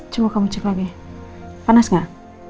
cuma kamu cek lagi panas gak